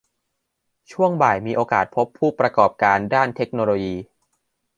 ช่วงบ่ายมีโอกาสพบผู้ประกอบการด้านเทคโนโลยี